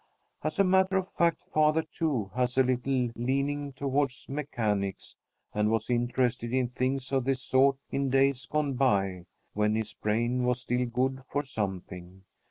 As a matter of fact, father, too, has a little leaning toward mechanics, and was interested in things of this sort in days gone by, when his brain was still good for something.